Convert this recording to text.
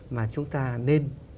mà chúng ta nên